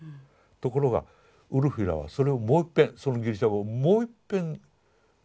ところがウルフィラはそれをもういっぺんそのギリシャ語をもういっぺんゴート語に訳しますね。